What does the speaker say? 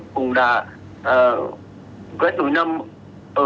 cùng đà vách núi năm ở xã rất châu huyện hương sơn